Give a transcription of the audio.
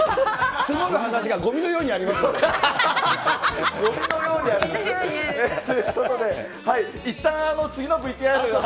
積もる話がごみのようにありごみのようにある？ということで、いったん次のＶＴＲ。